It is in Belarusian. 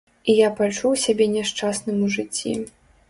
І я пачуў сябе няшчасным у жыцці.